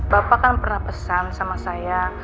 bapak kan pernah pesan sama saya